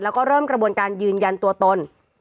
แล้วก็เริ่มกระบวนการยืนยันตัวตน